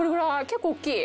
結構大きい。